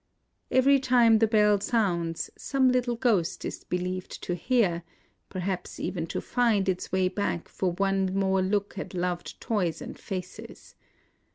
Each time the bell sounds, some little ghost is believed to hear, — perhaps even to find its way back for one more look at loved toys IN OSAKA 159 and faces.